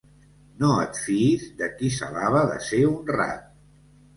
No et fiïs de qui s'alaba de ser honrat.